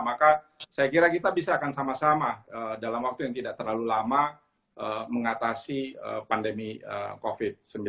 maka saya kira kita bisa akan sama sama dalam waktu yang tidak terlalu lama mengatasi pandemi covid sembilan belas